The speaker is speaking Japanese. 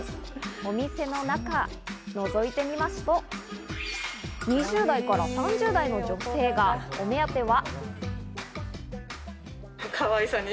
お店の中、覗いてみますと２０代から３０代の女性がお目当ては。